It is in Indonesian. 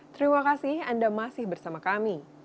terima kasih anda masih bersama kami